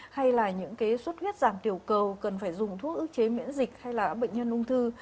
hay là những suất huyết giảm tiểu cầu cần phải dùng thuốc ước chế miễn dịch hay là bệnh nhân ung thư